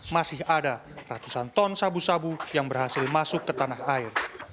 masih ada ratusan ton sabu sabu yang berhasil masuk ke tanah air